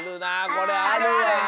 これあるわ。